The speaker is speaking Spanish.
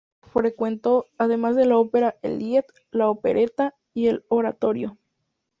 Frecuentó, además de la ópera, el Lied, la opereta y el oratorio.